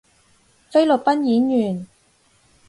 菲律賓演員